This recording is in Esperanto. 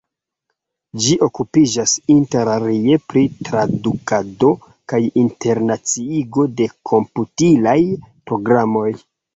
Ĝi okupiĝas interalie pri tradukado kaj internaciigo de komputilaj programoj.